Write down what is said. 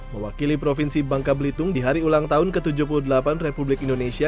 mewakili provinsi bangka belitung di hari ulang tahun ke tujuh puluh delapan republik indonesia